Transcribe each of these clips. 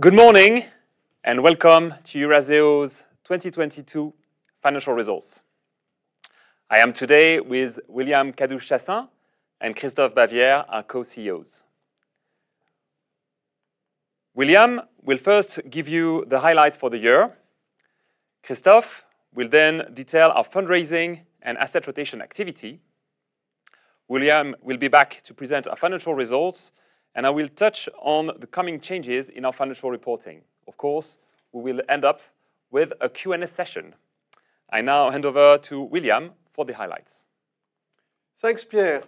Good morning, and welcome to Eurazeo's 2022 financial results. I am today with William Kadouch-Chassaing and Christophe Bavière, our co-CEOs. William will first give you the highlight for the year. Christophe will then detail our fundraising and asset rotation activity. William will be back to present our financial results, and I will touch on the coming changes in our financial reporting. Of course, we will end up with a Q&A session. I now hand over to William for the highlights. Thanks, Pierre.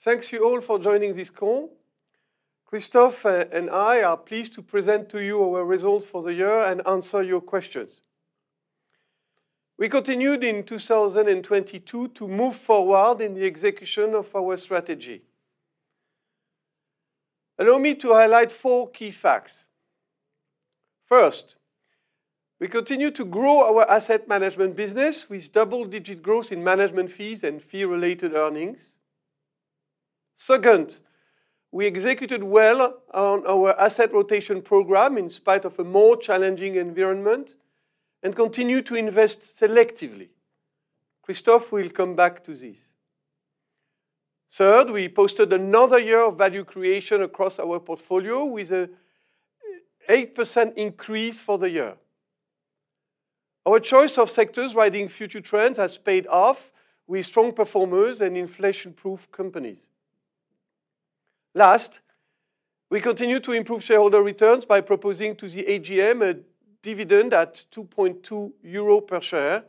Thanks you all for joining this call. Christophe and I are pleased to present to you our results for the year and answer your questions. We continued in 2022 to move forward in the execution of our strategy. Allow me to highlight four key facts. First, we continue to grow our Asset Management business with double-digit growth in management fees and fee-related earnings. Second, we executed well on our asset rotation program in spite of a more challenging environment, and continue to invest selectively. Christophe will come back to this. Third, we posted another year of value creation across our portfolio with an 8% increase for the year. Our choice of sectors riding future trends has paid off with strong performers and inflation-proof companies. We continue to improve shareholder returns by proposing to the AGM a dividend at 2.2 euro per share,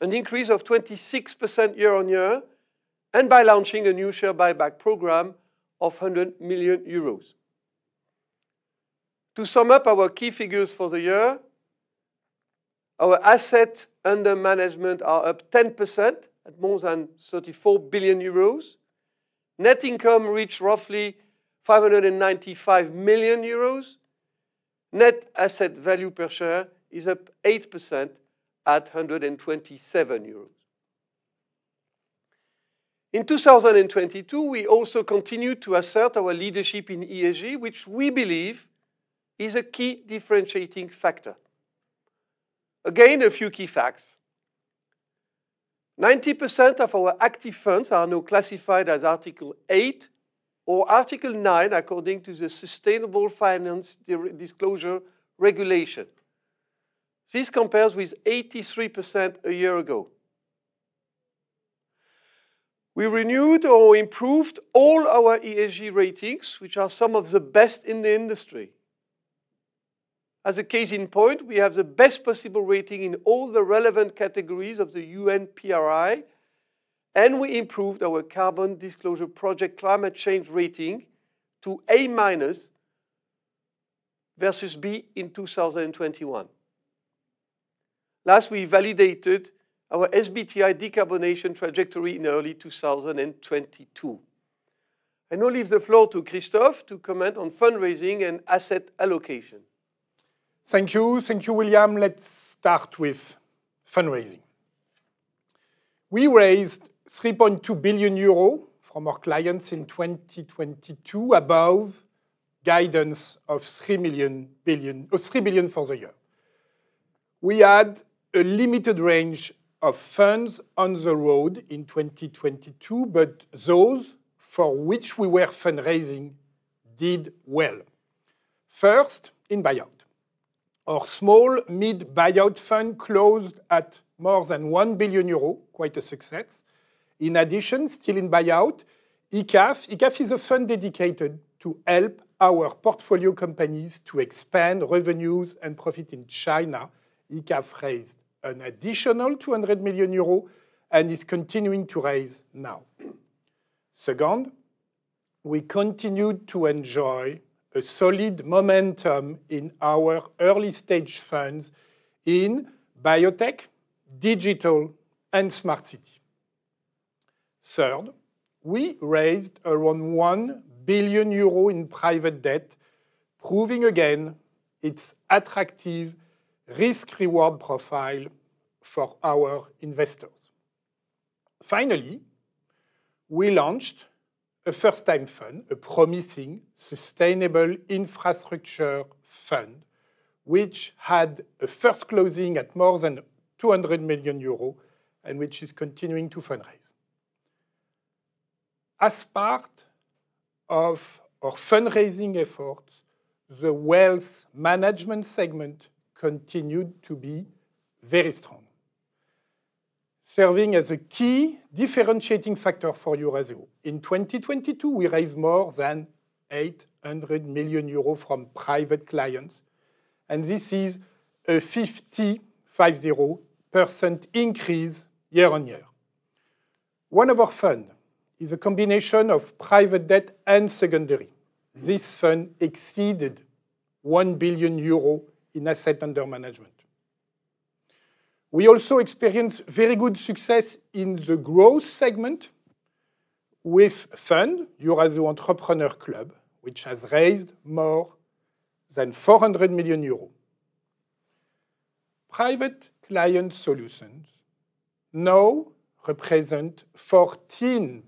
an increase of 26% year-over-year, and by launching a new share buyback program of 100 million euros. To sum up our key figures for the year, our asset under management are up 10% at more than 34 billion euros. Net income reached roughly 595 million euros. Net asset value per share is up 8% at 127 euros. In 2022, we also continued to assert our leadership in ESG, which we believe is a key differentiating factor. Again, a few key facts. 90% of our active funds are now classified as Article 8 or Article 9 according to the Sustainable Finance Disclosure Regulation. This compares with 83% a year ago. We renewed or improved all our ESG ratings, which are some of the best in the industry. As a case in point, we have the best possible rating in all the relevant categories of the UNPRI, and we improved our Carbon Disclosure Project climate change rating to A- versus B in 2021. We validated our SBTi decarbonation trajectory in early 2022. I now leave the floor to Christophe to comment on fundraising and asset allocation. Thank you. Thank you, William. Let's start with fundraising. We raised 3.2 billion euro from our clients in 2022, above guidance of 3 billion for the year. We had a limited range of funds on the road in 2022, but those for which we were fundraising did well. First, in buyout. Our small mid-buyout fund closed at more than 1 billion euro, quite a success. In addition, still in buyout, ECAF. ECAF is a fund dedicated to help our portfolio companies to expand revenues and profit in China. ECAF raised an additional 200 million euros and is continuing to raise now. Second, we continued to enjoy a solid momentum in our early-stage funds in biotech, digital, and smart city. Third, we raised around 1 billion euro in private debt, proving again its attractive risk-reward profile for our investors. Finally, we launched a first-time fund, a promising sustainable infrastructure fund, which had a first closing at more than 200 million euros and which is continuing to fundraise. As part of our fundraising efforts, the wealth management segment continued to be very strong, serving as a key differentiating factor for Eurazeo. In 2022, we raised more than 800 million euros from private clients. This is a 50% increase year-on-year. One of our fund is a combination of private debt and secondary. This fund exceeded 1 billion euro in asset under management. We also experienced very good success in the growth segment with fund, Eurazeo Entrepreneurs Club, which has raised more than 400 million euros. Private client solutions now represent 14%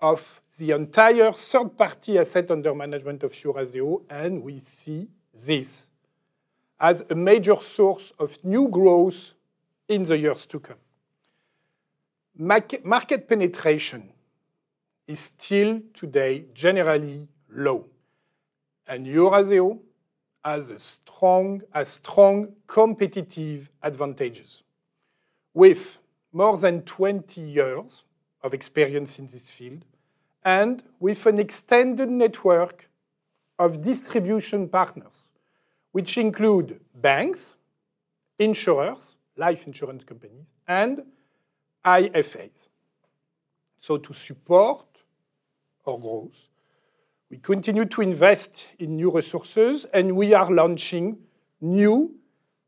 of the entire third-party asset under management of Eurazeo, and we see this as a major source of new growth in the years to come. Market penetration is still today generally low. Eurazeo has strong competitive advantages with more than 20 years of experience in this field and with an extended network of distribution partners, which include banks, insurers, life insurance companies, and IFAs. To support our growth, we continue to invest in new resources, and we are launching new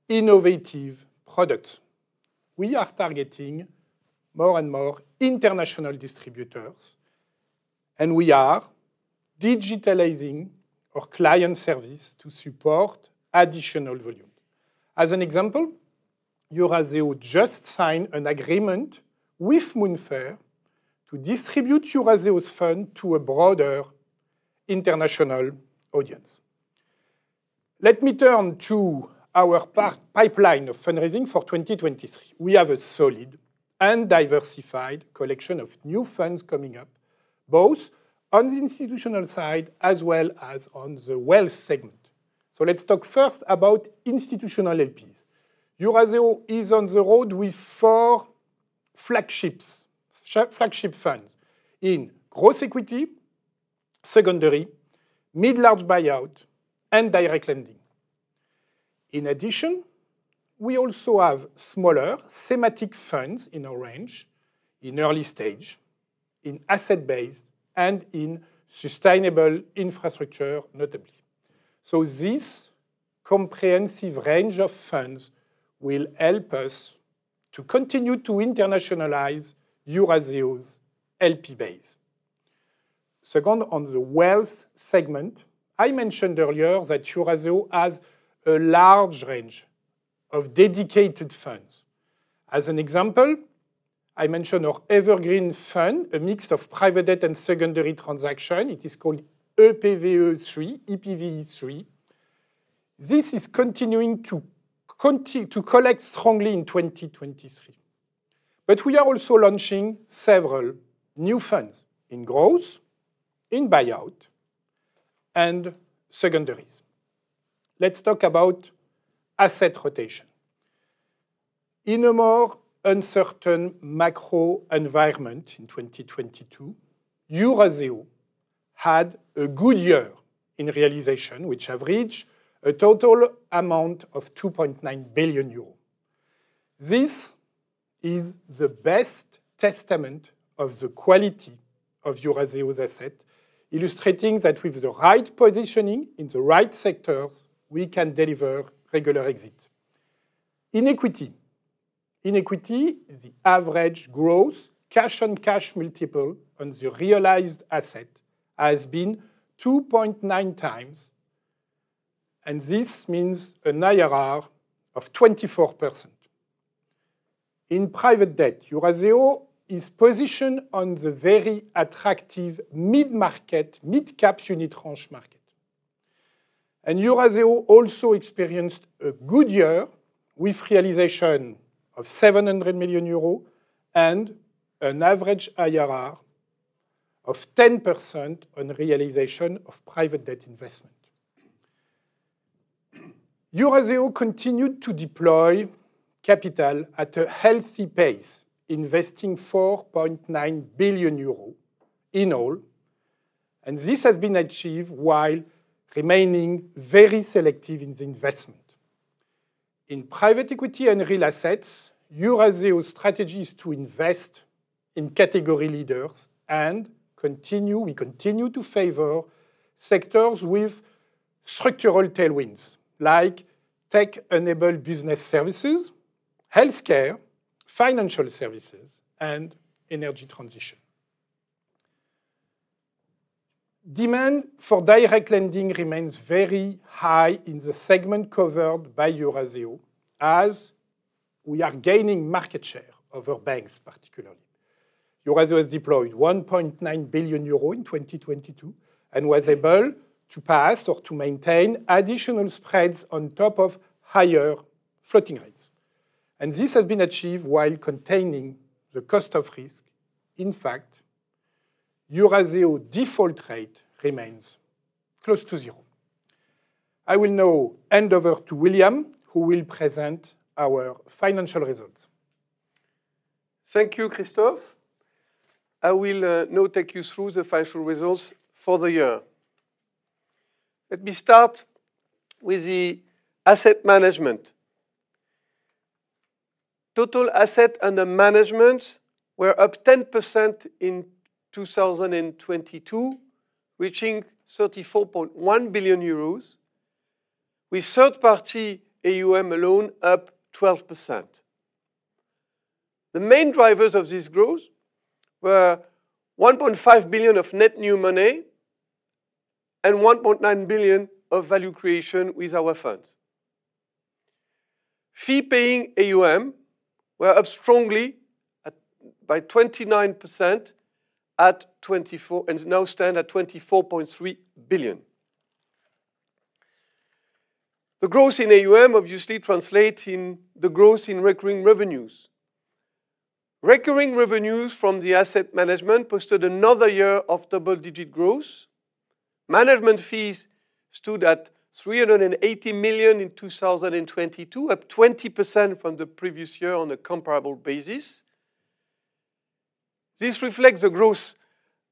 innovative products. We are targeting more and more international distributors, and we are digitalizing our client service to support additional volume. As an example, Eurazeo just signed an agreement with Moonfare to distribute Eurazeo's fund to a broader international audience. Let me turn to our part pipeline of fundraising for 2023. We have a solid and diversified collection of new funds coming up, both on the institutional side as well as on the wealth segment. Let's talk first about institutional LPs. Eurazeo is on the road with four flagships, flagship funds in growth equity, secondary, mid, large buyout, and direct lending. In addition, we also have smaller thematic funds in our range in early stage, in asset base, and in sustainable infrastructure, notably. This comprehensive range of funds will help us to continue to internationalize Eurazeo's LP base. Second, on the wealth segment, I mentioned earlier that Eurazeo has a large range of dedicated funds. As an example, I mentioned our evergreen fund, a mix of private debt and secondary transaction. It is called EPVE 3. This is continuing to collect strongly in 2023. We are also launching several new funds in growth, in buyout, and secondaries. Let's talk about asset rotation. In a more uncertain macro environment in 2022, Eurazeo had a good year in realization which average a total amount of 2.9 billion euros. This is the best testament of the quality of Eurazeo's asset, illustrating that with the right positioning in the right sectors, we can deliver regular exit. In equity, the average growth, cash on cash multiple on the realized asset has been 2.9x, and this means an IRR of 24%. In private debt, Eurazeo is positioned on the very attractive mid-market, mid-cap unit range market. Eurazeo also experienced a good year with realization of 700 million euros and an average IRR of 10% on realization of private debt investment. Eurazeo continued to deploy capital at a healthy pace, investing 4.9 billion euro in all, and this has been achieved while remaining very selective in the investment. In private equity and real assets, Eurazeo's strategy is to invest in category leaders and we continue to favor sectors with structural tailwinds like tech-enabled business services, healthcare, financial services, and energy transition. Demand for direct lending remains very high in the segment covered by Eurazeo as we are gaining market share over banks particularly. Eurazeo has deployed 1.9 billion euros in 2022 and was able to pass or to maintain additional spreads on top of higher floating rates. This has been achieved while containing the cost of risk. In fact, Eurazeo default rate remains close to zero. I will now hand over to William who will present our financial results. Thank you, Christophe. I will now take you through the financial results for the year. Let me start with the Asset Management. Total asset under management were up 10% in 2022, reaching 34.1 billion euros, with third-party AUM alone up 12%. The main drivers of this growth were 1.5 billion of net new money and 1.9 billion of value creation with our funds. Fee-Paying AUM were up strongly at, by 29% at 24, and now stand at 24.3 billion. The growth in AUM obviously translating the growth in recurring revenues. Recurring revenues from the Asset Management posted another year of double-digit growth. Management fees stood at 380 million in 2022, up 20% from the previous year on a comparable basis. This reflects the growth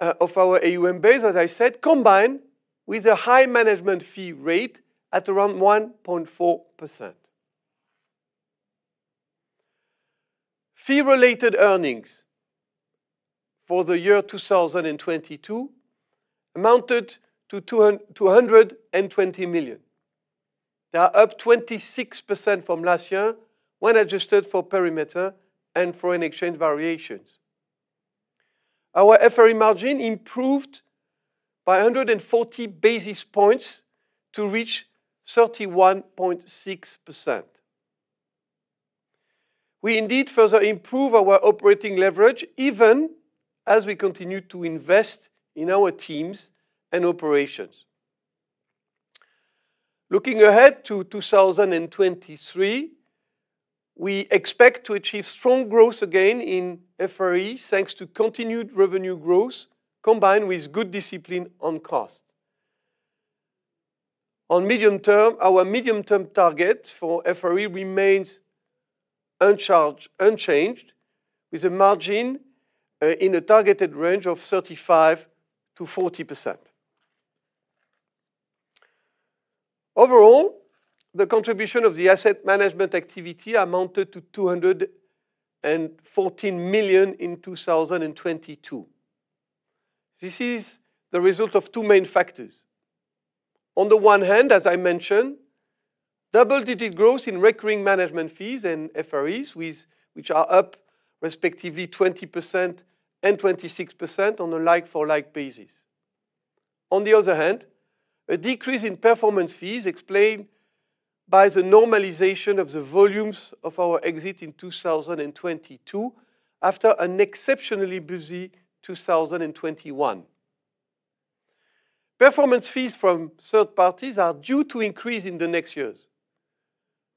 of our AUM base, as I said, combined with a high management fee rate at around 1.4%. Fee-Related Earnings for the year 2022 amounted to 120 million. They are up 26% from last year when adjusted for perimeter and foreign exchange variations. Our FRE margin improved by 140 basis points to reach 31.6%. We indeed further improve our operating leverage even as we continue to invest in our teams and operations. Looking ahead to 2023, we expect to achieve strong growth again in FRE thanks to continued revenue growth combined with good discipline on cost. On medium term, our medium-term target for FRE remains unchanged, with a margin in a targeted range of 35%-40%. Overall, the contribution of the Asset Management activity amounted to 214 million in 2022. This is the result of two main factors. On the one hand, as I mentioned, double-digit growth in recurring management fees and FREs with, which are up respectively 20% and 26% on a like-for-like basis. On the other hand, a decrease in performance fees explained by the normalization of the volumes of our exit in 2022 after an exceptionally busy 2021. Performance fees from third parties are due to increase in the next years.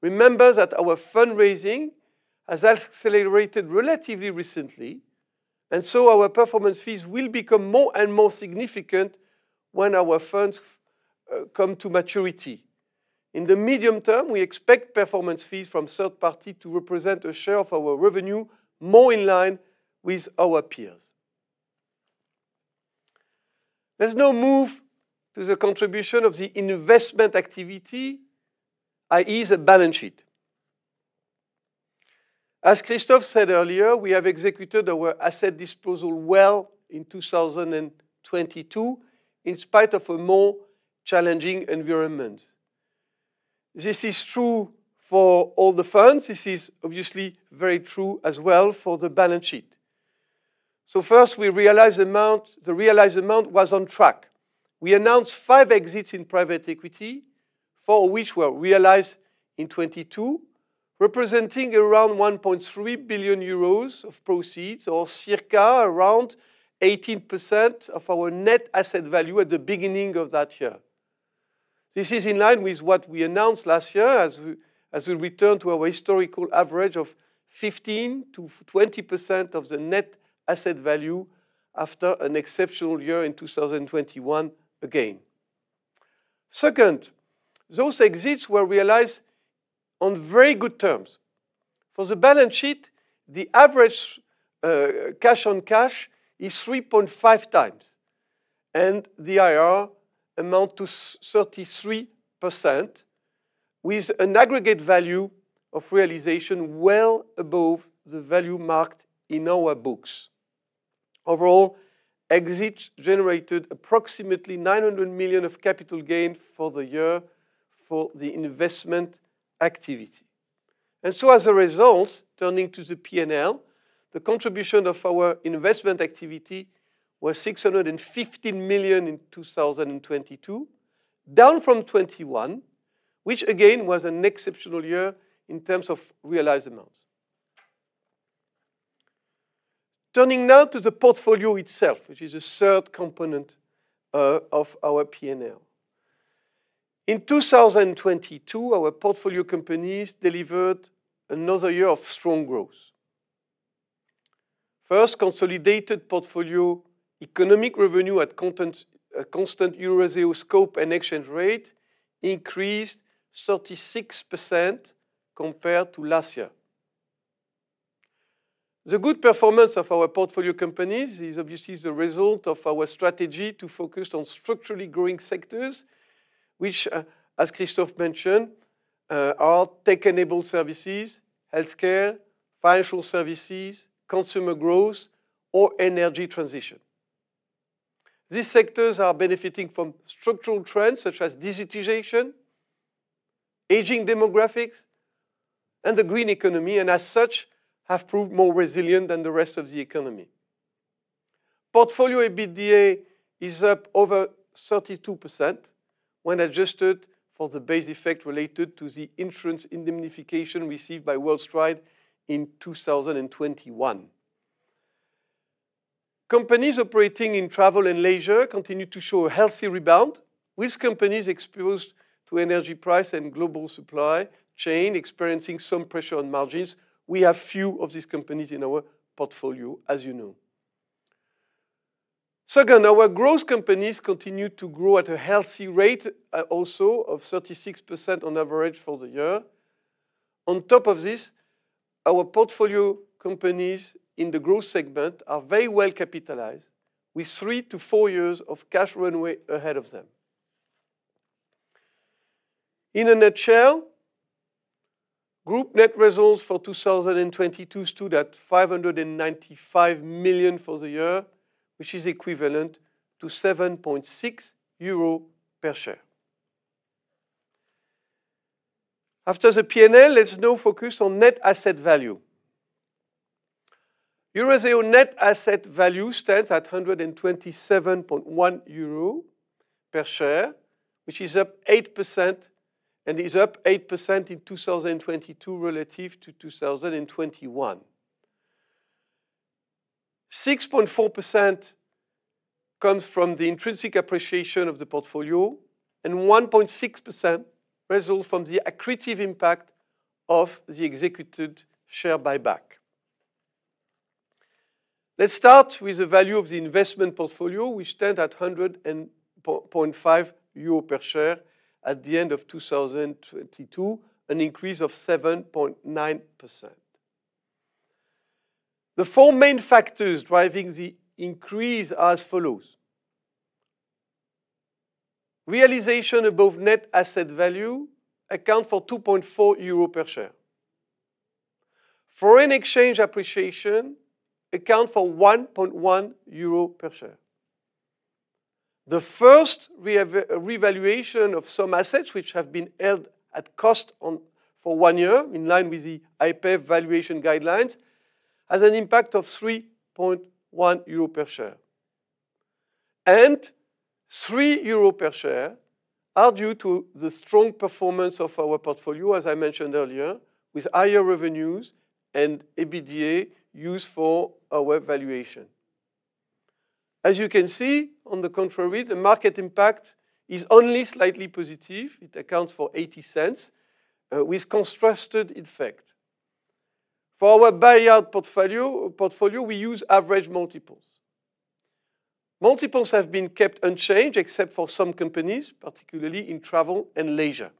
Remember that our fundraising has accelerated relatively recently, our performance fees will become more and more significant when our funds come to maturity. In the medium term, we expect performance fees from third-party to represent a share of our revenue more in line with our peers. Let's now move to the contribution of the investment activity, i.e., the balance sheet. As Christophe said earlier, we have executed our asset disposal well in 2022, in spite of a more challenging environment. This is true for all the firms. This is obviously very true as well for the balance sheet. First, we realize amount, the realized amount was on track. We announced five exits in private equity, four which were realized in 2022, representing around 1.3 billion euros of proceeds, or circa around 18% of our net asset value at the beginning of that year. This is in line with what we announced last year, as we return to our historical average of 15% to 20% of the net asset value after an exceptional year in 2021 again. Second, those exits were realized on very good terms. For the balance sheet, the average cash on cash is 3.5x, and the IRR amount to 33% with an aggregate value of realization well above the value marked in our books. Overall, exits generated approximately 900 million of capital gain for the year for the investment activity. As a result, turning to the P&L, the contribution of our investment activity was 650 million in 2022, down from 2021, which again was an exceptional year in terms of realized amounts. Turning now to the portfolio itself, which is the third component of our P&L. In 2022, our portfolio companies delivered another year of strong growth. First, consolidated portfolio economic revenue at content constant Eurozone scope and exchange rate increased 36% compared to last year. The good performance of our portfolio companies is obviously the result of our strategy to focus on structurally growing sectors, which, as Christophe mentioned, are tech-enabled services, healthcare, financial services, consumer growth or energy transition. These sectors are benefiting from structural trends such as digitization, aging demographics, and the green economy, and as such have proved more resilient than the rest of the economy. Portfolio EBITDA is up over 32% when adjusted for the base effect related to the insurance indemnification received by WorldStrides in 2021. Companies operating in travel and leisure continue to show a healthy rebound, with companies exposed to energy price and global supply chain experiencing some pressure on margins. We have few of these companies in our portfolio, as you know. Second, our growth companies continue to grow at a healthy rate, also of 36% on average for the year. On top of this, our portfolio companies in the growth segment are very well capitalized with three-four years of cash runway ahead of them. In a nutshell, group net results for 2022 stood at 595 million for the year, which is equivalent to 7.6 euro per share. After the P&L, let's now focus on net asset value. Eurazeo net asset value stands at 127.1 euro per share, which is up 8% and is up 8% in 2022 relative to 2021. 6.4% comes from the intrinsic appreciation of the portfolio and 1.6% result from the accretive impact of the executed share buyback. Let's start with the value of the investment portfolio, which stand at 100.5 euro per share at the end of 2022, an increase of 7.9%. The four main factors driving the increase as follows: Realization above Net Asset Value account for 2.4 euro per share. Foreign exchange appreciation account for 1.1 euro per share. The first revaluation of some assets which have been held at cost for one year in line with the IPEV valuation guidelines, has an impact of 3.1 euro per share. Three EUR per share are due to the strong performance of our portfolio, as I mentioned earlier, with higher revenues and EBITDA used for our valuation. As you can see, on the contrary, the market impact is only slightly positive. It accounts for 0.80, with constructed effect. For our buyout portfolio we use average multiples. Multiples have been kept unchanged except for some companies, particularly in travel and leisure.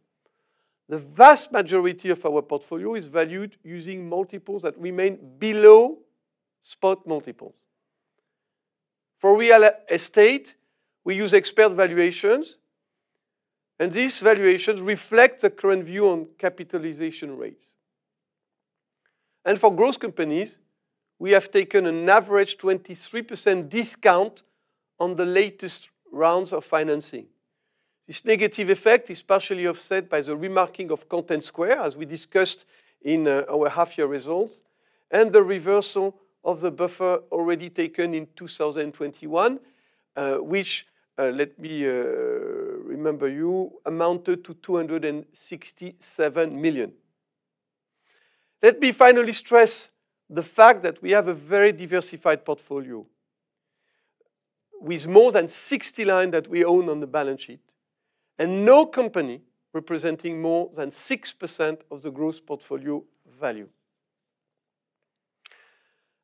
The vast majority of our portfolio is valued using multiples that remain below spot multiples. For real estate, we use expert valuations, and these valuations reflect the current view on capitalization rates. For growth companies, we have taken an average 23% discount on the latest rounds of financing. This negative effect is partially offset by the remarketing of Contentsquare, as we discussed in our half-year results, and the reversal of the buffer already taken in 2021, which, let me remember you, amounted to 267 million. Let me finally stress the fact that we have a very diversified portfolio with more than 60 line that we own on the balance sheet, and no company representing more than 6% of the gross portfolio value.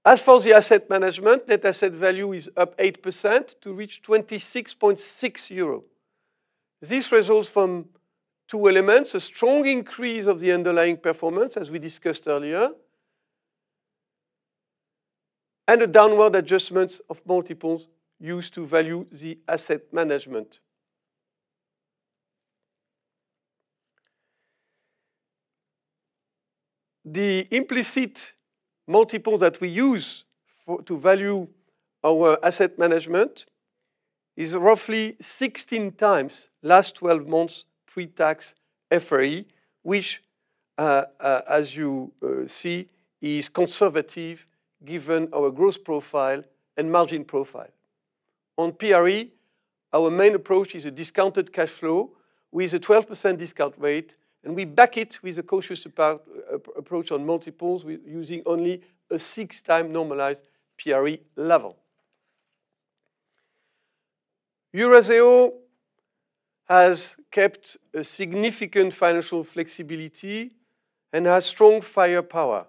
As for the Asset Management, net asset value is up 8% to reach 26.6 euro. This results from two elements, a strong increase of the underlying performance as we discussed earlier, and a downward adjustments of multiples used to value the Asset Management. The implicit multiple that we use to value our Asset Management is roughly 16 times last 12 months pre-tax FRE, which, as you see, is conservative given our growth profile and margin profile. On PRE, our main approach is a Discounted Cash Flow with a 12% discount rate, and we back it with a cautious approach on multiples with using only a 6x normalized PRE level. Eurazeo has kept a significant financial flexibility and has strong firepower.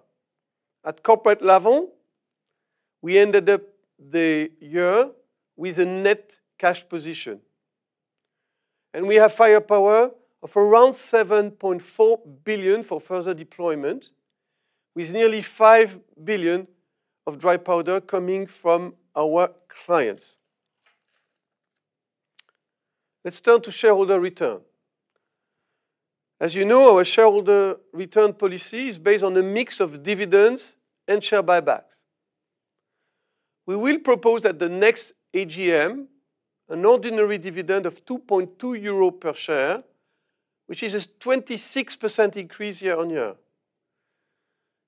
At corporate level, we ended up the year with a net cash position, and we have firepower of around 7.4 billion for further deployment, with nearly 5 billion of dry powder coming from our clients. Let's turn to shareholder return. As you know, our shareholder return policy is based on a mix of dividends and share buybacks. We will propose at the next AGM an ordinary dividend of 2.2 euro per share, which is a 26% increase year-on-year.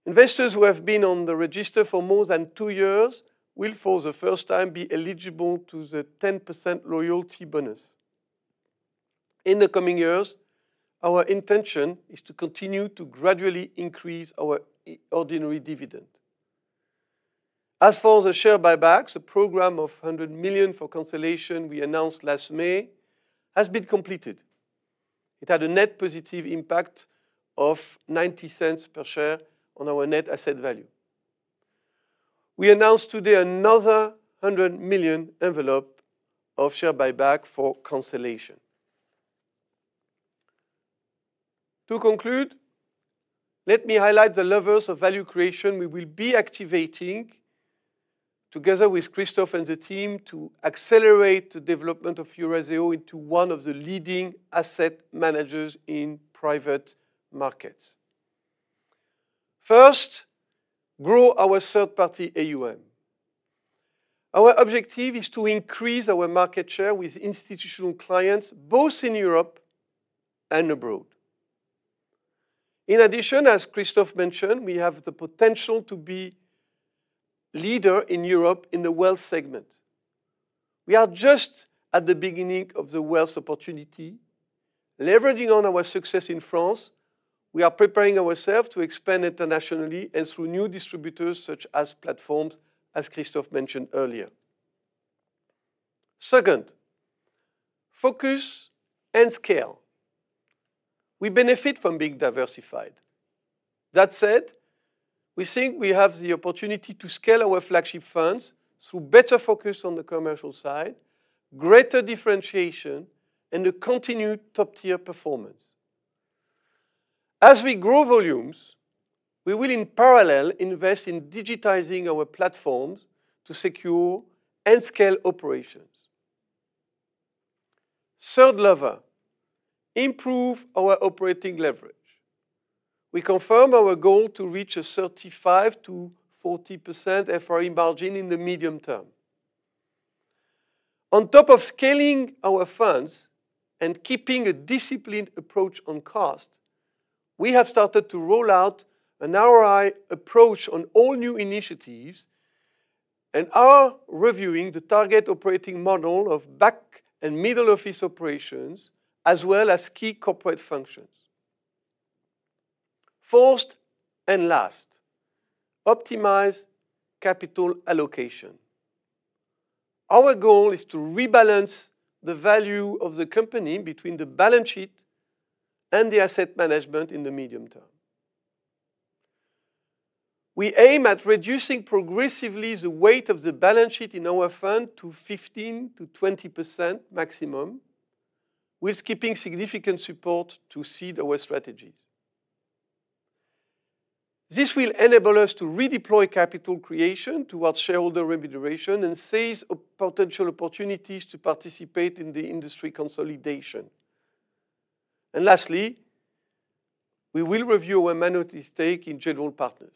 Investors who have been on the register for more than two years will, for the first time, be eligible to the 10% loyalty bonus. In the coming years, our intention is to continue to gradually increase our ordinary dividend. As for the share buybacks, a program of 100 million for cancellation we announced last May has been completed. It had a net positive impact of 0.90 per share on our net asset value. We announced today another 100 million envelope of share buyback for cancellation. To conclude, let me highlight the levers of value creation we will be activating together with Christophe and the team to accelerate the development of Eurazeo into one of the leading asset managers in private markets. First, grow our third-party AUM. Our objective is to increase our market share with institutional clients, both in Europe and abroad. In addition, as Christophe mentioned, we have the potential to be leader in Europe in the wealth segment. We are just at the beginning of the wealth opportunity. Leveraging on our success in France, we are preparing ourselves to expand internationally and through new distributors, such as platforms, as Christophe mentioned earlier. Second, focus and scale. We benefit from being diversified. That said, we think we have the opportunity to scale our flagship funds through better focus on the commercial side, greater differentiation, and a continued top-tier performance. As we grow volumes, we will in parallel invest in digitizing our platforms to secure and scale operations. Third lever, improve our operating leverage. We confirm our goal to reach a 35%-40% FRE margin in the medium term. On top of scaling our funds and keeping a disciplined approach on cost, we have started to roll out an RI approach on all new initiatives and are reviewing the target operating model of back and middle office operations as well as key corporate functions. First and last, optimize capital allocation. Our goal is to rebalance the value of the company between the balance sheet and the Asset Management in the medium term. We aim at reducing progressively the weight of the balance sheet in our fund to 15%-20% maximum, with keeping significant support to seed our strategies. This will enable us to redeploy capital creation towards shareholder remuneration and seize potential opportunities to participate in the industry consolidation. Lastly, we will review our minority stake in general partners.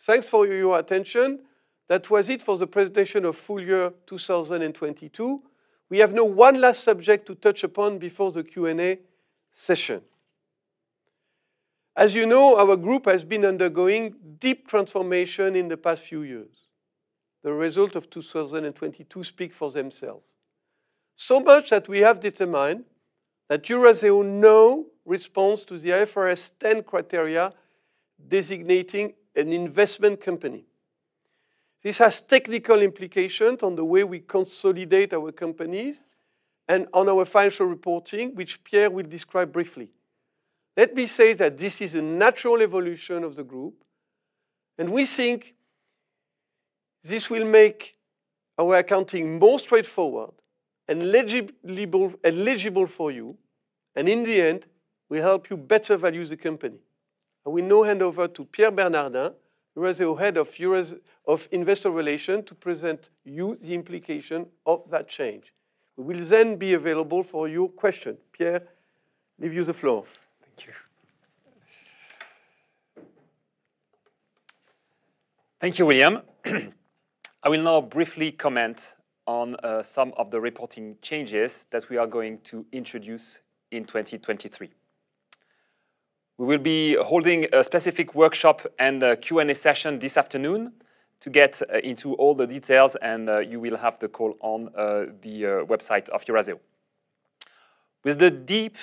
Thanks for your attention. That was it for the presentation of full year 2022. We have now one last subject to touch upon before the Q&A session. As you know, our group has been undergoing deep transformation in the past few years. The result of 2022 speak for themselves. Much that we have determined that Eurazeo now responds to the IFRS 10 criteria designating an investment company. This has technical implications on the way we consolidate our companies and on our financial reporting, which Pierre will describe briefly. Let me say that this is a natural evolution of the group, and we think this will make our accounting more straightforward and legible, and legible for you, and in the end, will help you better value the company. I will now hand over to Pierre Bernardin, Eurazeo Head of Investor Relations, to present you the implication of that change. We will then be available for your question. Pierre, give you the floor. Thank you. Thank you, William. I will now briefly comment on some of the reporting changes that we are going to introduce in 2023. We will be holding a specific workshop and a Q&A session this afternoon to get into all the details, you will have the call on the website of Eurazeo. With the deep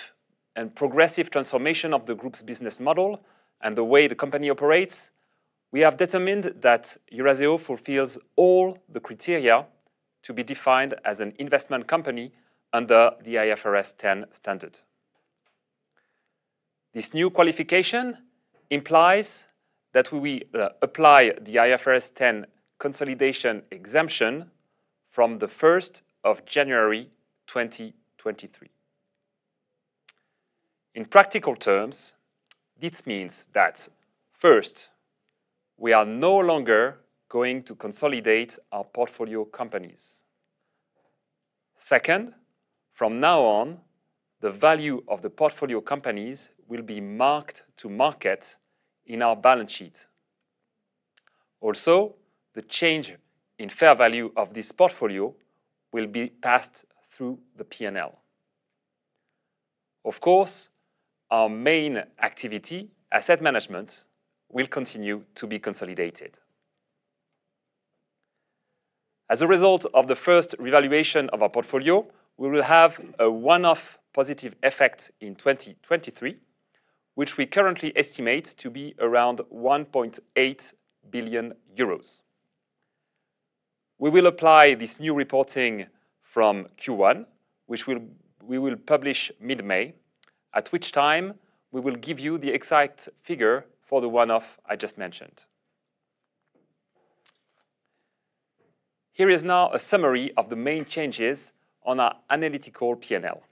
and progressive transformation of the group's business model and the way the company operates, we have determined that Eurazeo fulfills all the criteria to be defined as an investment company under the IFRS 10 standard. This new qualification implies that we will apply the IFRS 10 consolidation exemption from the first of January 2023. In practical terms, this means that first, we are no longer going to consolidate our portfolio companies. Second, from now on, the value of the portfolio companies will be marked to market in our balance sheet. The change in fair value of this portfolio will be passed through the P&L. Of course, our main activity, Asset Management, will continue to be consolidated. As a result of the first revaluation of our portfolio, we will have a one-off positive effect in 2023, which we currently estimate to be around 1.8 billion euros. We will apply this new reporting from Q1, which we will publish mid-May, at which time we will give you the exact figure for the one-off I just mentioned. Here is now a summary of the main changes on our analytical P&L.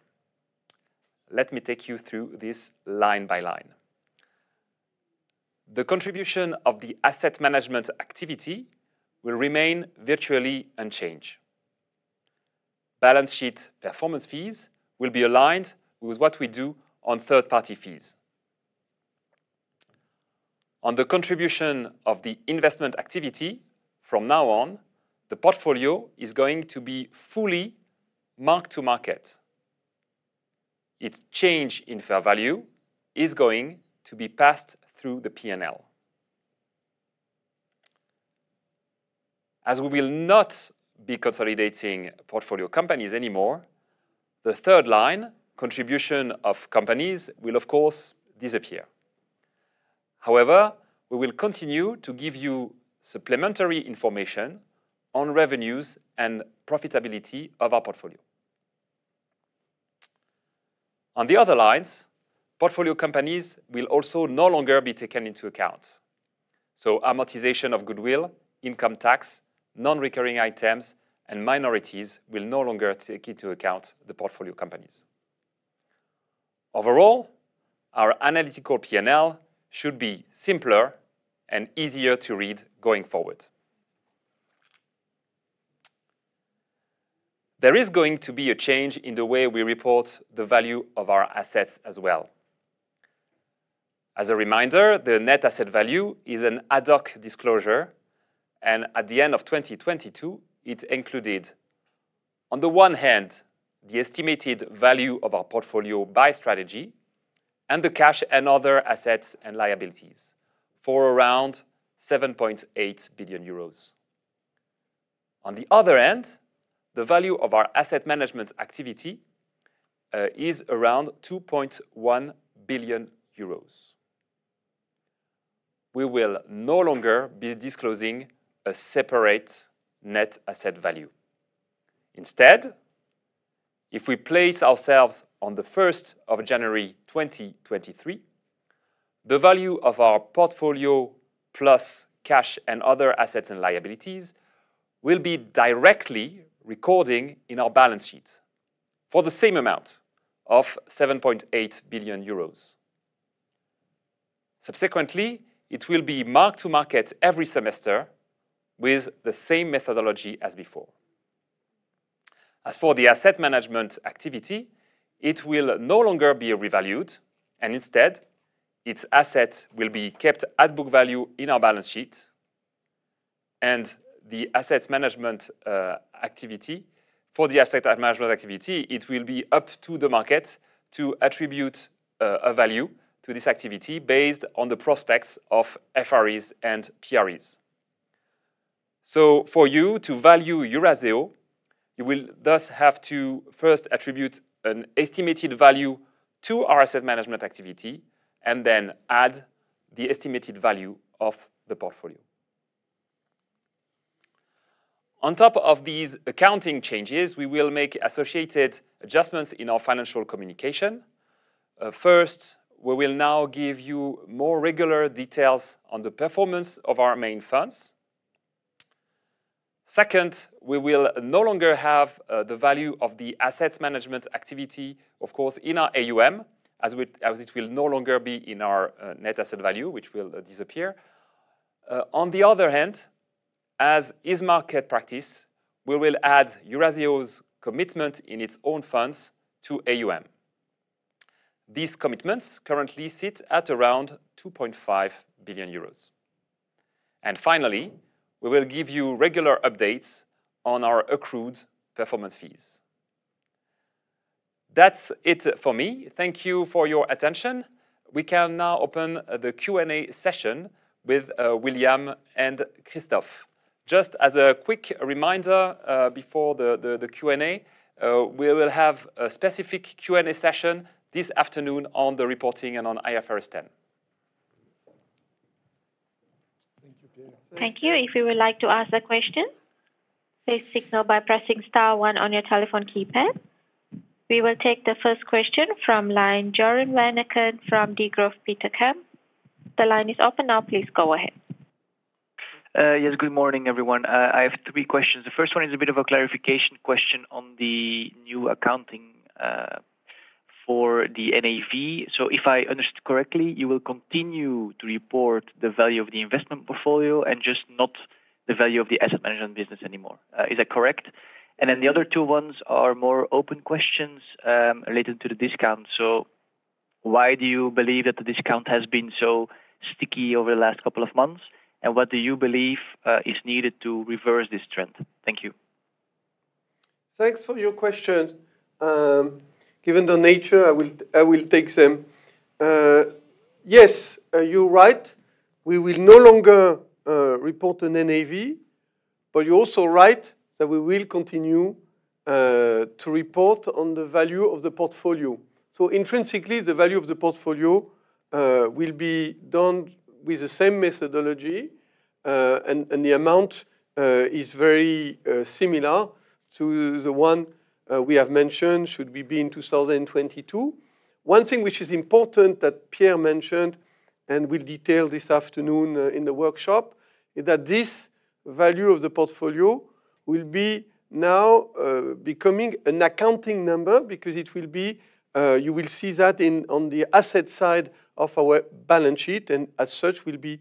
Let me take you through this line by line. The contribution of the Asset Management activity will remain virtually unchanged. Balance sheet performance fees will be aligned with what we do on third-party fees. On the contribution of the investment activity from now on, the portfolio is going to be fully marked to market. Its change in fair value is going to be passed through the P&L. As we will not be consolidating portfolio companies anymore, the third line, contribution of companies, will of course disappear. However, we will continue to give you supplementary information on revenues and profitability of our portfolio. On the other lines, portfolio companies will also no longer be taken into account. Amortization of goodwill, income tax, non-recurring items, and minorities will no longer take into account the portfolio companies. Overall, our analytical P&L should be simpler and easier to read going forward. There is going to be a change in the way we report the value of our assets as well. As a reminder, the net asset value is an ad hoc disclosure, and at the end of 2022, it included, on the one hand, the estimated value of our portfolio by strategy and the cash and other assets and liabilities for around 7.8 billion euros. On the other hand, the value of our Asset Management activity is around EUR 2.1 billion. We will no longer be disclosing a separate net asset value. Instead, if we place ourselves on the first of January 2023, the value of our portfolio plus cash and other assets and liabilities will be directly recording in our balance sheet for the same amount of 7.8 billion euros. Subsequently, it will be marked to market every semester with the same methodology as before. As for the Asset Management activity, it will no longer be revalued, and instead, its asset will be kept at book value in our balance sheet. The Asset Management activity, it will be up to the market to attribute a value to this activity based on the prospects of FREs and PREs. For you to value Eurazeo, you will thus have to first attribute an estimated value to our Asset Management activity and then add the estimated value of the portfolio. On top of these accounting changes, we will make associated adjustments in our financial communication. First, we will now give you more regular details on the performance of our main funds. Second, we will no longer have the value of the Asset Management activity, of course, in our AUM as it will no longer be in our net asset value, which will disappear. On the other hand, as is market practice, we will add Eurazeo's commitment in its own funds to AUM. These commitments currently sit at around 2.5 billion euros. Finally, we will give you regular updates on our accrued performance fees. That's it for me. Thank you for your attention. We can now open the Q&A session with William and Christophe. As a quick reminder, before the Q&A, we will have a specific Q&A session this afternoon on the reporting and on IFRS 10. Thank you, Pierre. Thank you. If you would like to ask a question, please signal by pressing star one on your telephone keypad. We will take the first question from line Joren Van Aken from Degroof Petercam. The line is open now. Please go ahead. Yes. Good morning, everyone. I have three questions. The first one is a bit of a clarification question on the new accounting for the NAV. If I understood correctly, you will continue to report the value of the investment portfolio and just not the value of the Asset Management business anymore. Is that correct? The other two ones are more open questions related to the discount. Why do you believe that the discount has been so sticky over the last couple of months? What do you believe is needed to reverse this trend? Thank you. Thanks for your question. Given the nature, I will take them. Yes, you're right, we will no longer report an NAV, but you're also right that we will continue to report on the value of the portfolio. Intrinsically, the value of the portfolio will be done with the same methodology. And the amount is very similar to the one we have mentioned should we be in 2022. One thing which is important that Pierre mentioned, and we'll detail this afternoon in the workshop, is that this value of the portfolio will be now becoming an accounting number because it will be, you will see that on the asset side of our balance sheet, and as such will be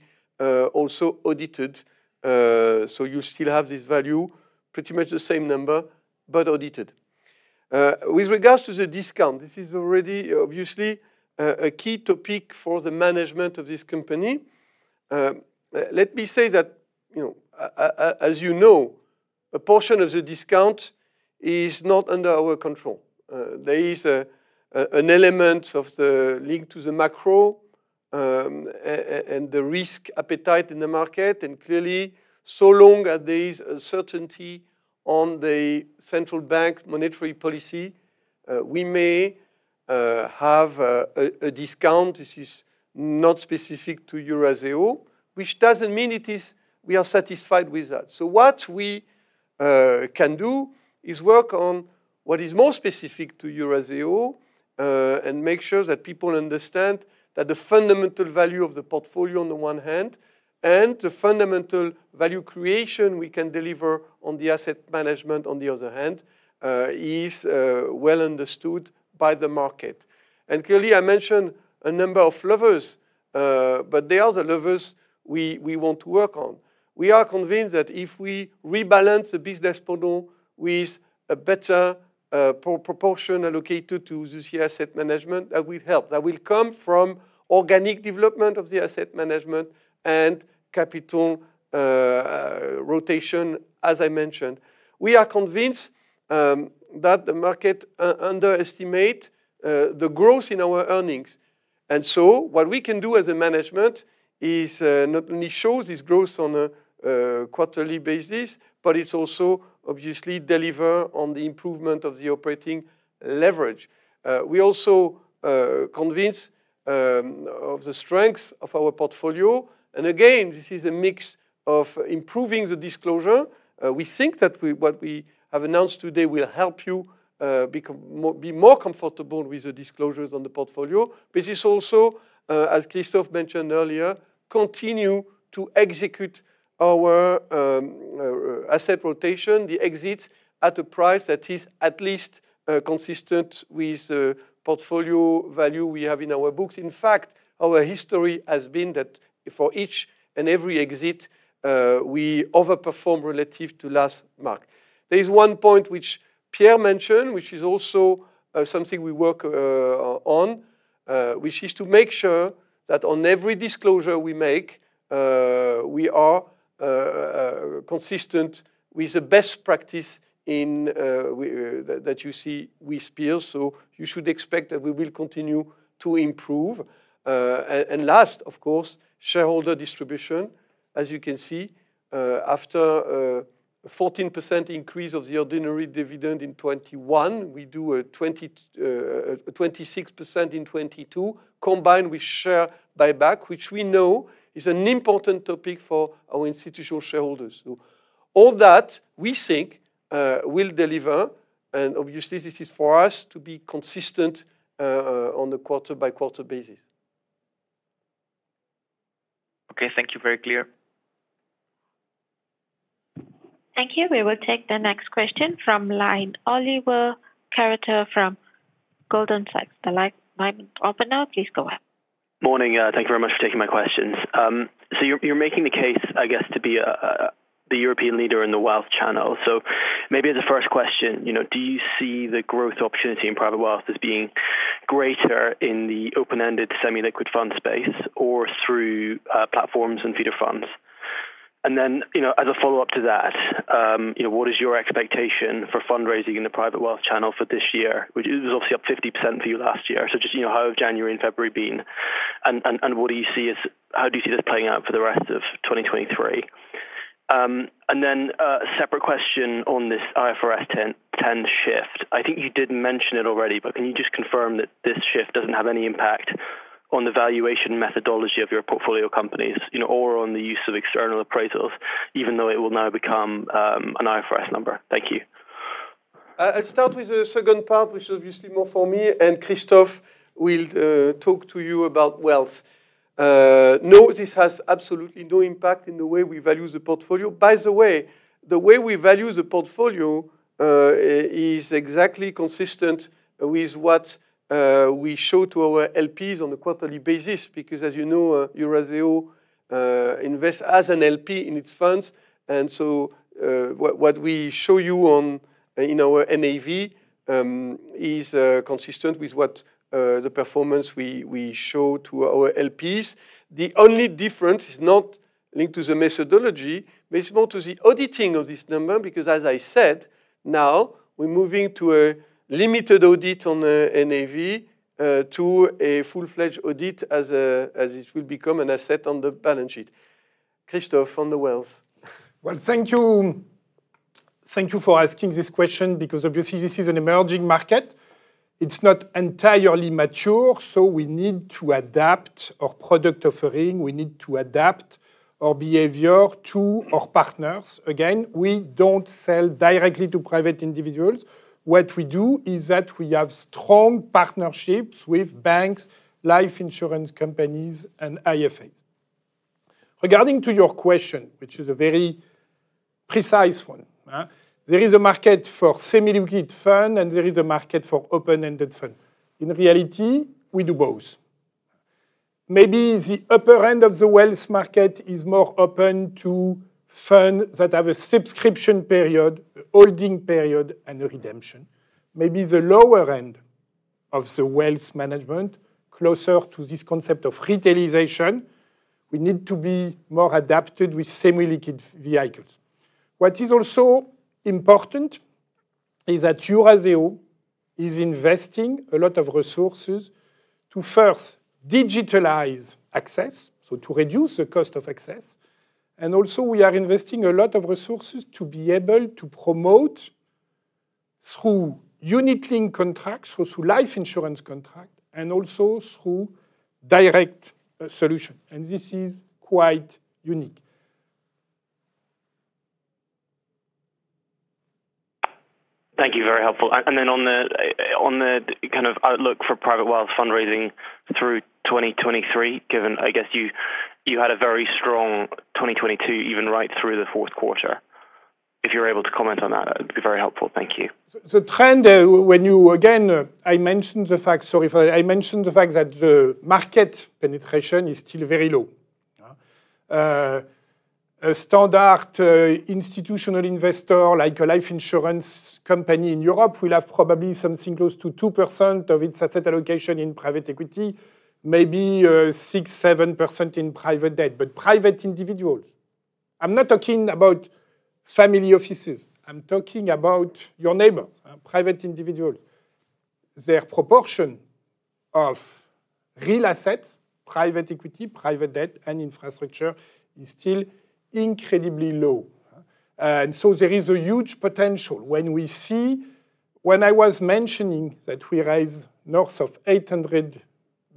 also audited. You still have this value, pretty much the same number, but audited. With regards to the discount, this is already obviously a key topic for the management of this company. let me say that, you know, as you know, a portion of the discount is not under our control. There is an element of the link to the macro, and the risk appetite in the market. Clearly, so long as there is uncertainty on the central bank monetary policy, we may have a discount. This is not specific to Eurazeo, which doesn't mean it is... We are satisfied with that. What we can do is work on what is more specific to Eurazeo, and make sure that people understand that the fundamental value of the portfolio on the one hand, and the fundamental value creation we can deliver on the Asset Management on the other hand, is well understood by the market. Clearly, I mentioned a number of levers, but they are the levers we want to work on. We are convinced that if we rebalance the business model with a better pro-proportion allocated to the Asset Management, that will help. That will come from organic development of the Asset Management and capital rotation, as I mentioned. We are convinced that the market underestimate the growth in our earnings. What we can do as a management is not only show this growth on a quarterly basis, but it's also obviously deliver on the improvement of the operating leverage. We also convince of the strength of our portfolio. This is a mix of improving the disclosure. We think that what we have announced today will help you be more comfortable with the disclosures on the portfolio. It's also, as Christophe mentioned earlier, continue to execute our asset rotation, the exits at a price that is at least consistent with the portfolio value we have in our books. In fact, our history has been that for each and every exit, we overperform relative to last mark. There is one point which Pierre mentioned, which is also something we work on, which is to make sure that on every disclosure we make, we are consistent with the best practice in That you see with Pierre. You should expect that we will continue to improve. Last, of course, shareholder distribution. As you can see, after a 14% increase of the ordinary dividend in 2021, we do a 26% in 2022, combined with share buyback, which we know is an important topic for our institutional shareholders. All that, we think, will deliver, and obviously this is for us to be consistent on a quarter-by-quarter basis. Okay. Thank you. Very clear. Thank you. We will take the next question from line Oliver Carruthers from Goldman Sachs. The line is open now. Please go ahead. Morning. Thank you very much for taking my questions. You're making the case, I guess, to be a the European leader in the wealth channel. Maybe as a first question, you know, do you see the growth opportunity in private wealth as being greater in the open-ended semi-liquid fund space or through platforms and feeder funds? You know, as a follow-up to that, you know, what is your expectation for fundraising in the private wealth channel for this year? Which it was obviously up 50% for you last year. Just, you know, how have January and February been? How do you see this playing out for the rest of 2023? A separate question on this IFRS 10 shift. I think you did mention it already, but can you just confirm that this shift doesn't have any impact on the valuation methodology of your portfolio companies, you know, or on the use of external appraisals, even though it will now become an IFRS number? Thank you. I'll start with the second part, which is obviously more for me, and Christophe. Will talk to you about Wealth. No, this has absolutely no impact in the way we value the portfolio. By the way, the way we value the portfolio is exactly consistent with what we show to our LPs on a quarterly basis. As you know, Eurazeo invest as an LP in its funds. So, what we show you in our NAV is consistent with what the performance we show to our LPs. The only difference is not linked to the methodology, but it's more to the auditing of this number, because as I said, now we're moving to a limited audit on the NAV to a full-fledged audit as it will become an asset on the balance sheet. Christophe on the Wealth. Well, thank you. Thank you for asking this question because obviously this is an emerging market. It's not entirely mature. We need to adapt our product offering. We need to adapt our behavior to our partners. Again, we don't sell directly to private individuals. What we do is that we have strong partnerships with banks, life insurance companies, and IFAs. Regarding to your question, which is a very precise one, huh? There is a market for semi-liquid fund and there is a market for open-ended fund. In reality, we do both. Maybe the upper end of the wealth market is more open to funds that have a subscription period, holding period, and redemption. Maybe the lower end of the wealth management, closer to this concept of retailization, we need to be more adapted with semi-liquid vehicles. What is also important is that Eurazeo is investing a lot of resources to first digitalize access, so to reduce the cost of access. Also we are investing a lot of resources to be able to promote through unit link contracts, so through life insurance contract, and also through direct solution. This is quite unique. Thank you. Very helpful. On the kind of outlook for private wealth fundraising through 2023, given, I guess, you had a very strong 2022, even right through the fourth quarter. If you're able to comment on that, it'd be very helpful. Thank you. The trend when you Again, I mentioned the fact, sorry for that. I mentioned the fact that the market penetration is still very low. A standard institutional investor, like a life insurance company in Europe, will have probably something close to 2% of its asset allocation in private equity, maybe 6%, 7% in private debt. Private individuals, I'm not talking about family offices, I'm talking about your neighbors, private individuals. Their proportion of real assets, private equity, private debt, and infrastructure is still incredibly low. There is a huge potential. When I was mentioning that we raised north of 800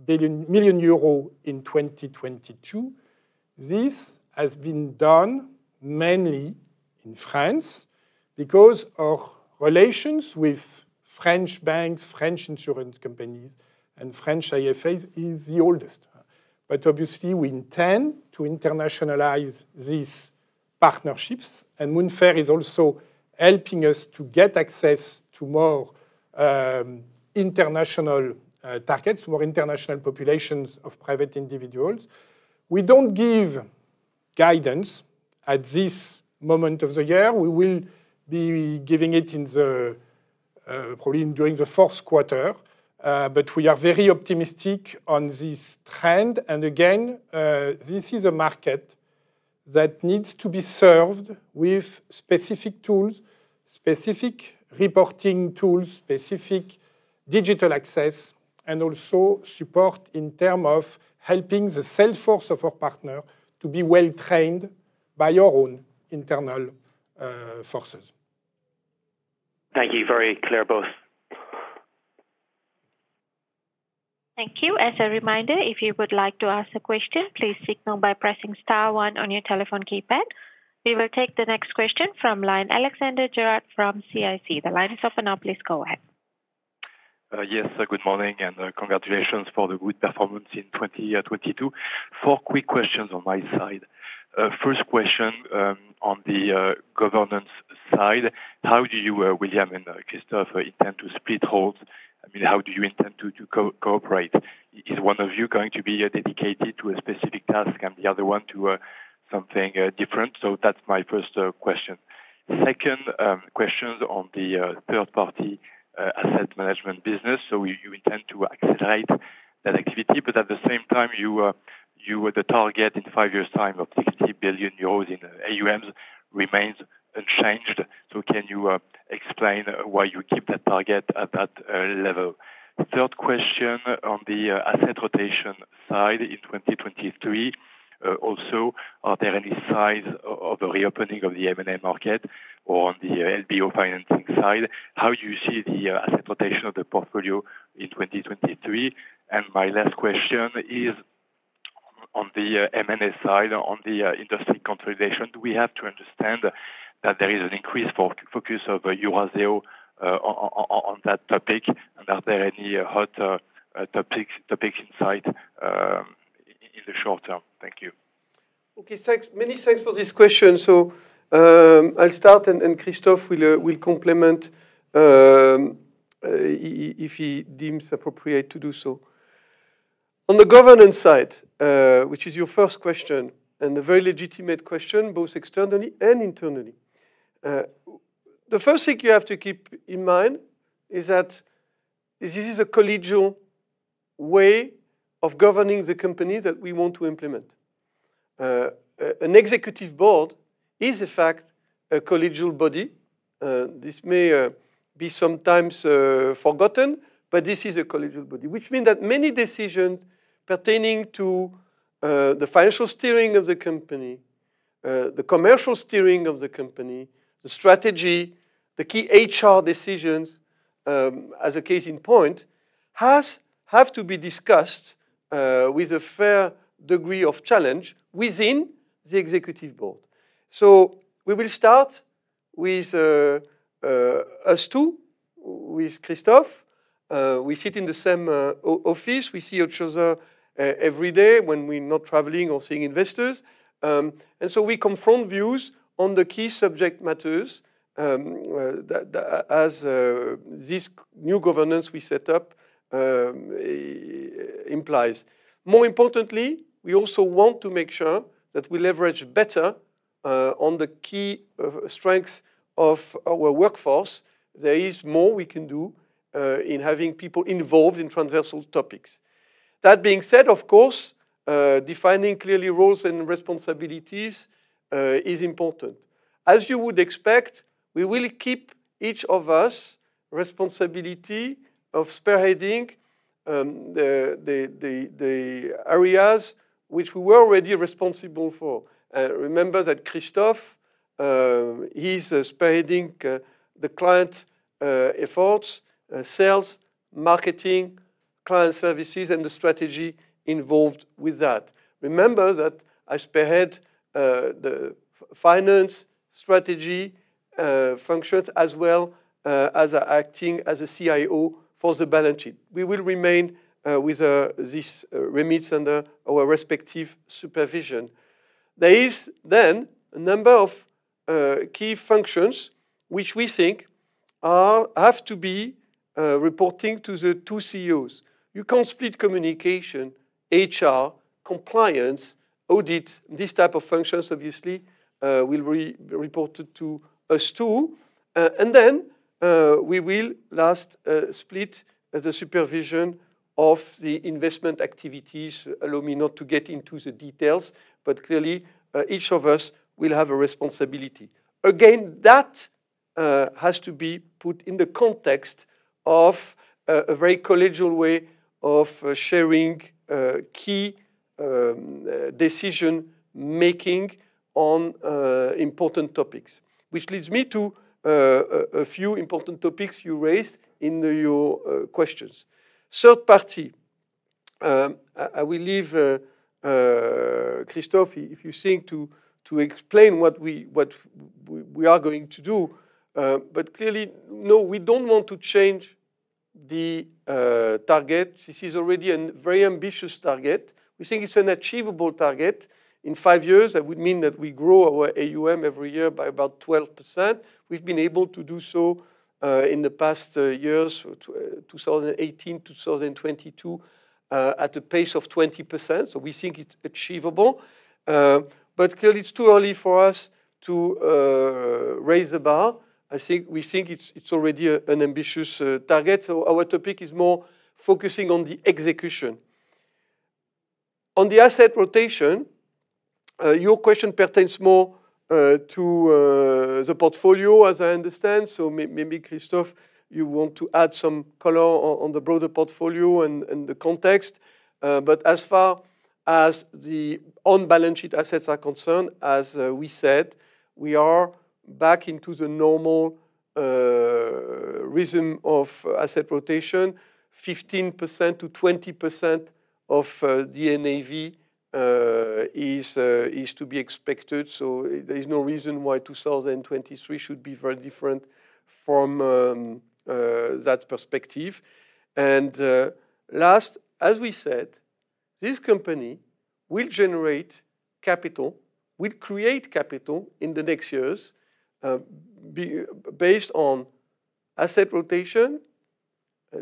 million euros in 2022, this has been done mainly in France because our relations with French banks, French insurance companies, and French IFAs is the oldest. Obviously, we intend to internationalize these partnerships, and Moonfare is also helping us to get access to more international targets, more international populations of private individuals. We don't give guidance at this moment of the year. We will be giving it in the probably during the fourth quarter. We are very optimistic on this trend. Again, this is a market that needs to be served with specific tools, specific reporting tools, specific digital access, and also support in term of helping the sales force of our partner to be well trained by our own internal forces. Thank you. Very clear, both. Thank you. As a reminder, if you would like to ask a question, please signal by pressing star one on your telephone keypad. We will take the next question from line. Alexandre Gérard from CIC. The line is open now. Please go ahead. Yes. Good morning, congratulations for the good performance in 2022. 4 quick questions on my side. First question on the governance side, how do you, William and Christophe intend to split roles? I mean, how do you intend to cooperate? Is one of you going to be dedicated to a specific task and the other one to something different? That's my first question. Second question on the third-party Asset Management business. You intend to accelerate that activity, but at the same time, you with the target in five years' time of 50 billion euros in AUM remains unchanged. Can you explain why you keep that target at that level? Third question on the asset rotation side in 2023. Also, are there any signs of a reopening of the M&A market or on the LBO financing side? How do you see the asset rotation of the portfolio in 2023? My last question is. On the M&A side, on the industry consolidation, do we have to understand that there is an increased focus of Eurazeo on that topic? Are there any hot topics inside in the short term? Thank you. Okay. Thanks. Many thanks for this question. I'll start and Christophe will complement if he deems appropriate to do so. On the governance side, which is your first question, a very legitimate question, both externally and internally. The first thing you have to keep in mind is that this is a collegial way of governing the company that we want to implement. An Executive Board is in fact a collegial body. This may be sometimes forgotten, but this is a collegial body, which means that many decisions pertaining to the financial steering of the company, the commercial steering of the company, the strategy, the key HR decisions, as a case in point, have to be discussed with a fair degree of challenge within the Executive Board. We will start with us two, with Christophe. We sit in the same office. We see each other every day when we're not traveling or seeing investors. We confront views on the key subject matters as this new governance we set up implies. More importantly, we also want to make sure that we leverage better on the key strengths of our workforce. There is more we can do in having people involved in transversal topics. That being said, of course, defining clearly roles and responsibilities is important. As you would expect, we will keep each of us responsibility of spearheading the areas which we were already responsible for. Remember that Christophe, he's spearheading the client efforts, sales, marketing, client services, and the strategy involved with that. Remember that I spearhead the finance strategy functions, as well, as acting as a CIO for the balance sheet. We will remain with this remit under our respective supervision. There is then a number of key functions which we think have to be reporting to the two CEOs. You can't split Communication, HR, Compliance, Audit. These type of functions, obviously, will re-reported to us two. We will last split the supervision of the investment activities. Allow me not to get into the details, but clearly, each of us will have a responsibility. Again, that has to be put in the context of a very collegial way of sharing key decision-making on important topics. Leads me to a few important topics you raised in your questions. Third party. I will leave Christophe, if you think to explain what we are going to do. Clearly, no, we don't want to change the target. This is already an very ambitious target. We think it's an achievable target. In five years, that would mean that we grow our AUM every year by about 12%. We've been able to do so in the past years, 2018, 2022, at a pace of 20%. We think it's achievable. Clearly, it's too early for us to raise the bar. I think, we think it's already an ambitious target. Our topic is more focusing on the execution. On the asset rotation, your question pertains more to the portfolio, as I understand. Maybe, Christophe, you want to add some color on the broader portfolio and the context. As far as the on-balance sheet assets are concerned, as we said, we are back into the normal rhythm of asset rotation. 15%-20% of the NAV is to be expected, there is no reason why 2023 should be very different from that perspective. Last, as we said, this company will generate capital, will create capital in the next years, based on asset rotation,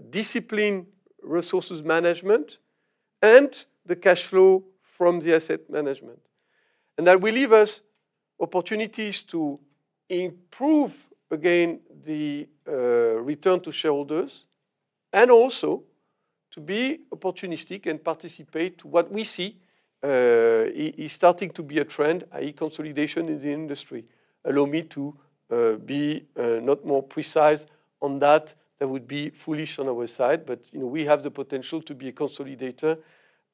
discipline resources management, and the cash flow from the Asset Management. That will leave us opportunities to improve again the return to shareholders and also to be opportunistic and participate. What we see is starting to be a trend, i.e., consolidation in the industry. Allow me to be not more precise on that. That would be foolish on our side, but, you know, we have the potential to be a consolidator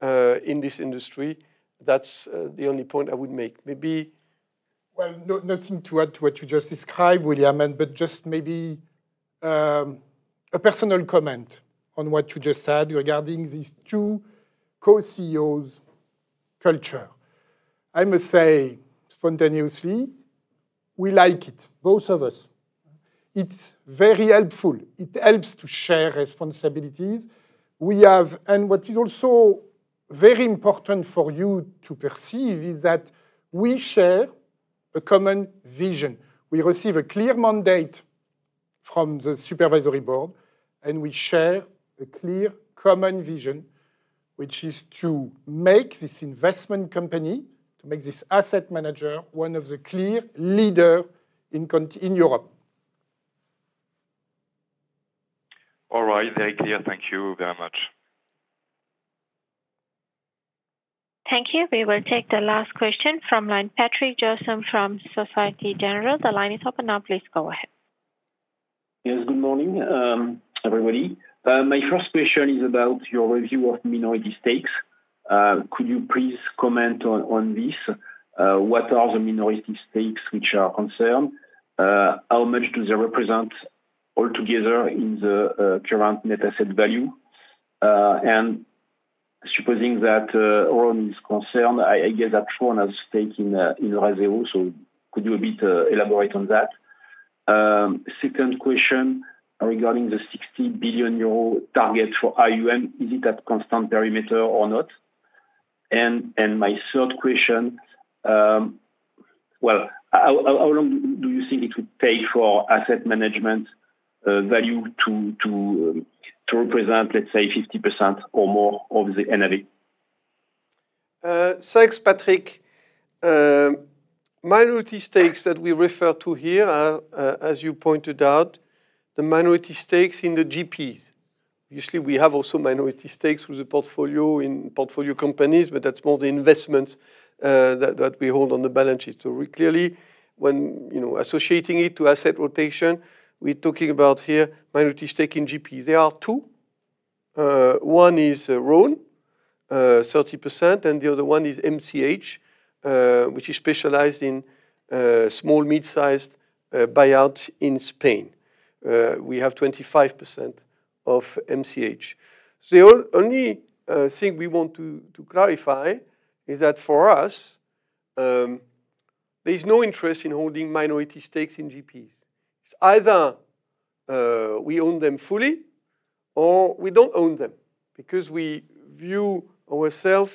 in this industry. That's the only point I would make. Well, nothing to add to what you just described, William, but just maybe a personal comment on what you just said regarding these two Co-CEOs culture. I must say spontaneously, we like it, both of us. It's very helpful. It helps to share responsibilities. We have. What is also very important for you to perceive is that we share a common vision. We receive a clear mandate from the supervisory board, and we share a clear common vision, which is to make this investment company, to make this asset manager one of the clear leader in Europe. All right. Very clear. Thank you very much. Thank you. We will take the last question from line, Patrick Jousseaume from Societe Generale. The line is open now. Please go ahead. Yes. Good morning, everybody. My first question is about your review of minority stakes. Could you please comment on this? What are the minority stakes which are concerned? How much do they represent all together in the current NAV? Supposing that Rhône is concerned, I guess that Rhône has stake in Eurazeo, could you a bit elaborate on that? Second question regarding the 60 billion euro target for AUM, is it at constant perimeter or not? My third question, well, how long do you think it would take for Asset Management value to represent, let's say, 50% or more of the NAV? Thanks, Patrick. Minority stakes that we refer to here are, as you pointed out, the minority stakes in the GPs. Usually, we have also minority stakes with the portfolio in portfolio companies, but that's more the investments that we hold on the balance sheet. We clearly when, you know, associating it to asset rotation, we're talking about here minority stake in GPs. There are two. One is Rhône, 30%, and the other one is MCH, which is specialized in small mid-sized buyout in Spain. We have 25% of MCH. The only thing we want to clarify is that for us, there is no interest in holding minority stakes in GPs. It's either we own them fully or we don't own them, because we view ourselves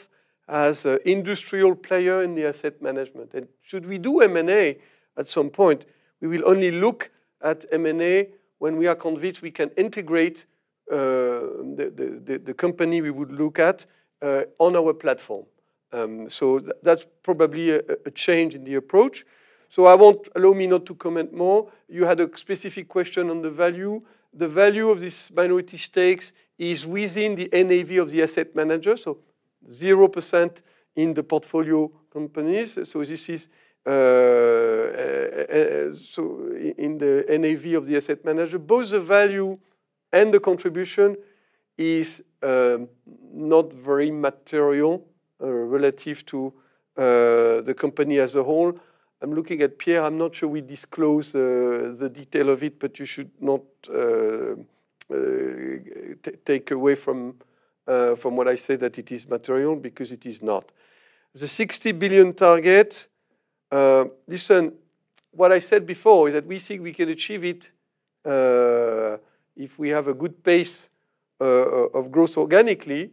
as a industrial player in the Asset Management. Should we do M&A at some point, we will only look at M&A when we are convinced we can integrate the company we would look at on our platform. That's probably a change in the approach. I won't allow me not to comment more. You had a specific question on the value. The value of these minority stakes is within the NAV of the asset manager, so zero percent in the portfolio companies. This is, so in the NAV of the asset manager. Both the value and the contribution is not very material relative to the company as a whole. I'm looking at Pierre. I'm not sure we disclose the detail of it. You should not take away from what I said that it is material because it is not. The 60 billion target, listen, what I said before is that we think we can achieve it if we have a good pace of growth organically.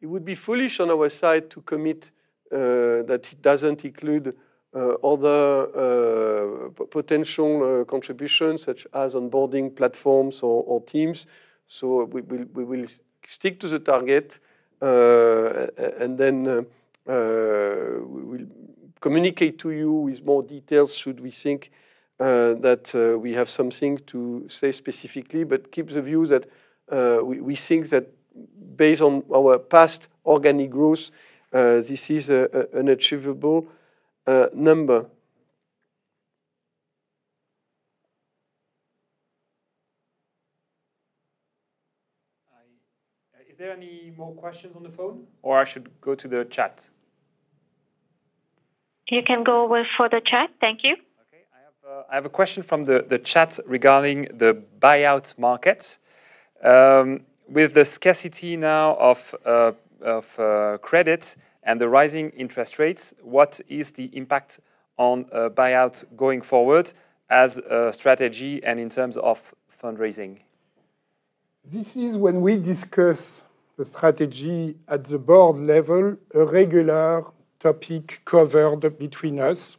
It would be foolish on our side to commit that it doesn't include other potential contributions such as onboarding platforms or teams. We will stick to the target and then we'll communicate to you with more details should we think that we have something to say specifically. Keep the view that we think that based on our past organic growth, this is an achievable number. Is there any more questions on the phone, or I should go to the chat? You can go with for the chat. Thank you. Okay. I have a question from the chat regarding the buyout market. With the scarcity now of credit and the rising interest rates, what is the impact on buyouts going forward as a strategy and in terms of fundraising? This is when we discuss the strategy at the board level, a regular topic covered between us,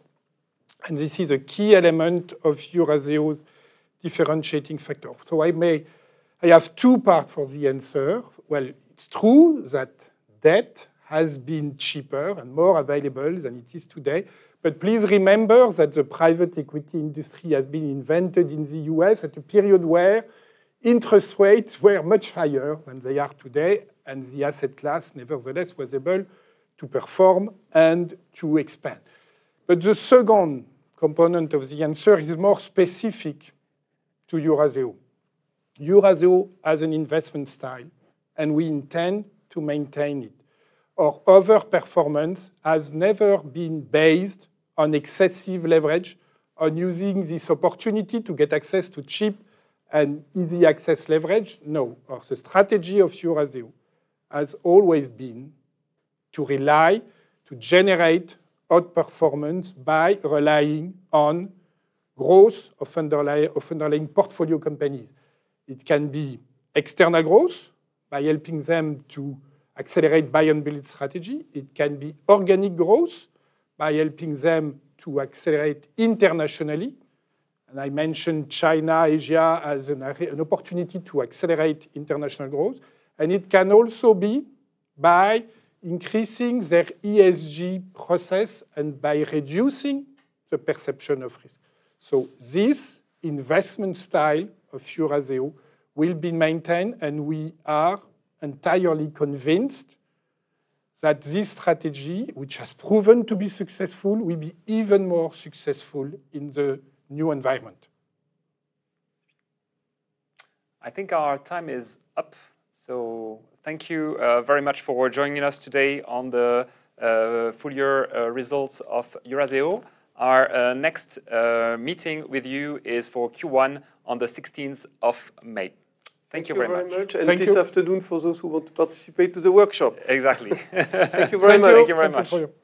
and this is a key element of Eurazeo's differentiating factor. I have two part for the answer. Well, it's true that debt has been cheaper and more available than it is today. Please remember that the private equity industry has been invented in the U.S. at a period where interest rates were much higher than they are today, and the asset class nevertheless was able to perform and to expand. The second component of the answer is more specific to Eurazeo. Eurazeo has an investment style, and we intend to maintain it. Our overperformance has never been based on excessive leverage, on using this opportunity to get access to cheap and easy access leverage. No. Our strategy of Eurazeo has always been to generate outperformance by relying on growth of underlying portfolio companies. It can be external growth by helping them to accelerate buy and build strategy. It can be organic growth by helping them to accelerate internationally. I mentioned China, Asia as an opportunity to accelerate international growth. It can also be by increasing their ESG process and by reducing the perception of risk. This investment style of Eurazeo will be maintained, and we are entirely convinced that this strategy, which has proven to be successful, will be even more successful in the new environment. I think our time is up. Thank you very much for joining us today on the full year results of Eurazeo. Our next meeting with you is for Q1 on the 16th of May. Thank you very much. Thank you very much. Thank you. This afternoon for those who want to participate to the workshop. Exactly. Thank you very much. Thank you very much. Thank you. Thank you.